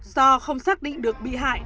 do không xác định được bị hại